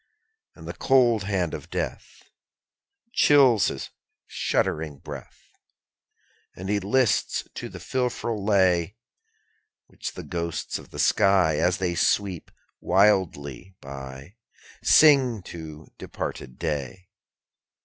2. And the cold hand of death Chills his shuddering breath, As he lists to the fearful lay Which the ghosts of the sky, _10 As they sweep wildly by, Sing to departed day.